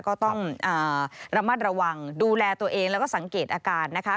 ก็ต้องระมัดระวังดูแลตัวเองแล้วก็สังเกตอาการนะคะ